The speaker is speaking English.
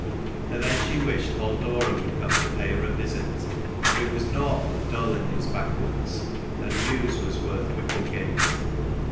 And then she wished Halldora would come to pay her a visit. For it was nought but dull in these backwoods, and news was worth whittlegate.